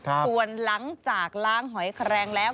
ส่วนหลังจากล้างหอยแครงแล้ว